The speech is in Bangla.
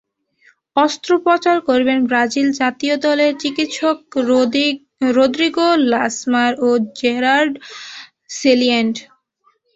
অস্ত্রোপচার করবেন ব্রাজিল জাতীয় দলের চিকিৎসক রদ্রিগো লাসমার ও জেরার্ড স্যালিয়েন্ট।